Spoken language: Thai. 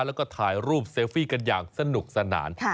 แล้วก็ถ่ายรูปเซลฟี่กันอย่างสนุกสนาน